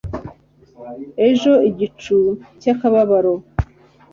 ejo igicu cy'akababaro